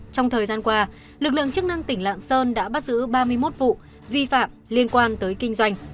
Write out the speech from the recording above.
trong thời gian qua lực lượng chức năng tỉnh lạng sơn đã bắt giữ ba mươi một vụ vi phạm liên quan tới kinh doanh